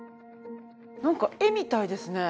なんか絵みたいですね。